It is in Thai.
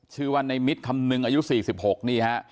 ชื่อว่าในมิตรคำนึงอายุ๔๖นี่ฮะ